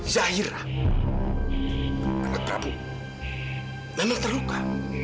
cahira anak prabu memang terluka